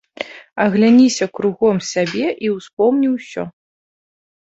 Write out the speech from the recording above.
Агляніся кругом сябе і ўспомні ўсё.